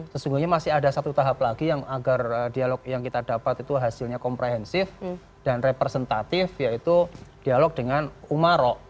sesungguhnya masih ada satu tahap lagi yang agar dialog yang kita dapat itu hasilnya komprehensif dan representatif yaitu dialog dengan umarok